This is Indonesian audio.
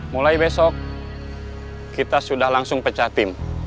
mulai besok kita sudah langsung pecah tim